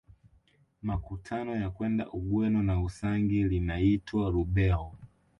Makutano ya kwenda Ugweno na Usangi linaitwa Lubegho